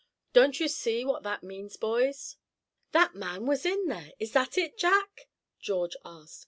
Don't you see what that means, boys?" "That man was in there; is that it, Jack?" George asked.